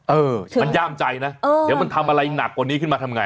เออมันย่ามใจนะเดี๋ยวมันทำอะไรหนักกว่านี้ขึ้นมาทำไง